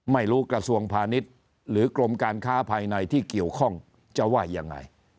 กระทรวงพาณิชย์หรือกรมการค้าภายในที่เกี่ยวข้องจะว่ายังไง